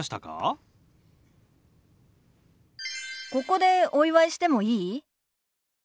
ここでお祝いしてもいい？